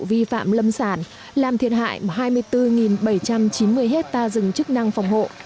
vi phạm lâm sản làm thiệt hại hai mươi bốn bảy trăm chín mươi hectare rừng chức năng phòng hộ